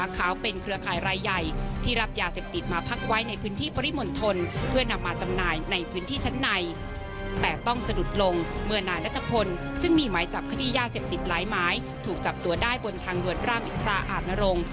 การค้ายาเสพติดหลายไม้ถูกจับตัวได้บนทางรวดร่ามอิทราอาบนรงค์